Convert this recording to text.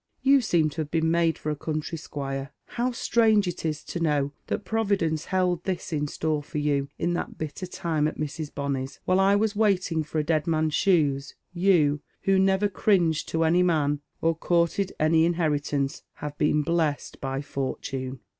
You neem to have been made for a country squire. How strange it is to know that Providence held this in store for you in thai bitter time at Mrs. Bonny's 1 While I was waiting for a dead man's shoes, you, who never cringed to any man, or courtiyi nnv iiilieritance, have been blest by Fortune."